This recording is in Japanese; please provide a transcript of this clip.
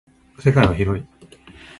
世界は広い。